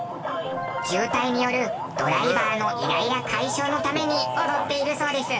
渋滞によるドライバーのイライラ解消のために踊っているそうです。